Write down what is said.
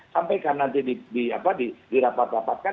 sampaikan nanti di rapat rapatkan